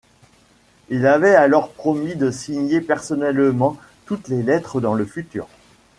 Il avait alors promis de signer personnellement toutes les lettres dans le futur.